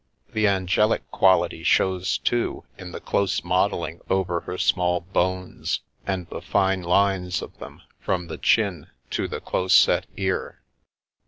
The angelic quality shows, too, in the close modelling over her small bones, and the fine lines of them from the chin to the close set ear.